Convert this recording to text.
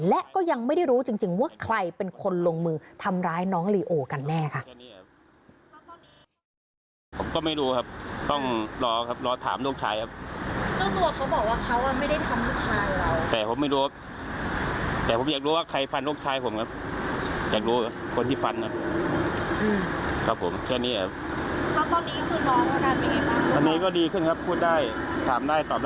และก็ยังไม่ได้รู้จริงว่าใครเป็นคนลงมือทำร้ายน้องลีโอกันแน่ค่ะ